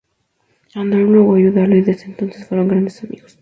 Andrew logró ayudarlo y desde entonces fueron grandes amigos.